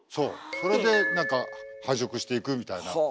それで何か繁殖していくみたいな聞いたことある。